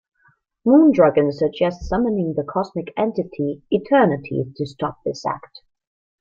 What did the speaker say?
Moondragon suggests summoning the cosmic entity Eternity to stop this act.